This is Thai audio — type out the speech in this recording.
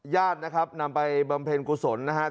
ญาตินะครับนำไปบำเพ็ญกุศลนะครับ